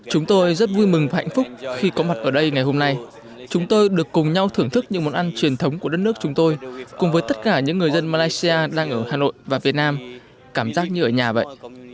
chúng tôi rất vui mừng và hạnh phúc khi có mặt ở đây ngày hôm nay chúng tôi được cùng nhau thưởng thức những món ăn truyền thống của đất nước chúng tôi cùng với tất cả những người dân malaysia đang ở hà nội và việt nam cảm giác như ở nhà vậy